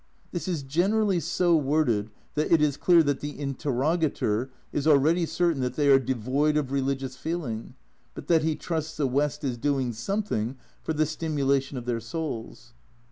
This is generally so worded that it is clear that the interrogator is already certain that they are devoid of religious feeling, but that he trusts the West is doing something for the stimulation of their souls.